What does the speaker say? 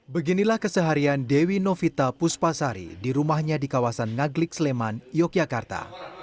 beginilah keseharian dewi novita puspasari di rumahnya di kawasan ngaglik sleman yogyakarta